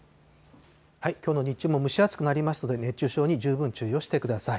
きょうの日中も蒸し暑くなりますので、熱中症に十分注意をしてください。